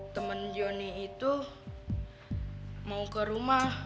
temen johnny itu mau ke rumah